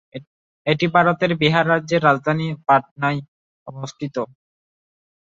এটি ভারতের বিহার রাজ্যের রাজধানী পাটনায় অবস্থিত।